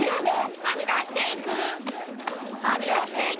はみ出していく。